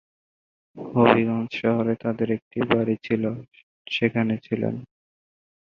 হবিগঞ্জ শহরে তাদের একটি বাড়ি ছিল, সেখানে ছিলেন।